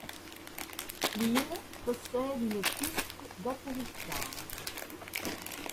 L'île possède une piste d'atterrissage.